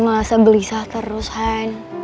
nggak usah belisah terus han